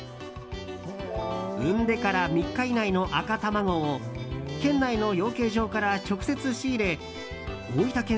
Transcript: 産んでから３日以内の赤卵を県内の養鶏場から直接仕入れ大分県